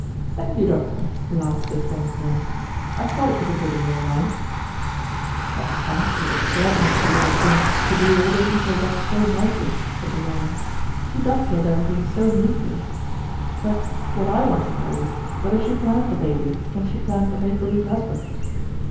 "Thank you, Doctor," laughed the Trained Nurse. "I thought it was a bit in your line." "But fancy the cleverness of the little thing to do all the details up so nicely," said the Lawyer. "She dovetailed everything so neatly. But what I want to know is whether she planned the baby when she planned the make believe husband?"